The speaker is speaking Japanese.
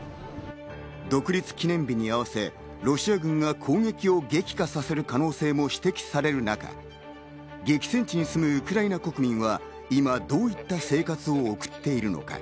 独立記念日に合わせロシア軍が攻撃を激化させる可能性も指摘される中、激戦地に住むウクライナ国民は今どういった生活を送っているのか。